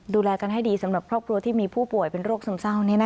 ดูแลกันให้ดีสำหรับครอบครัวที่มีผู้ป่วยเป็นโรคซึมเศร้า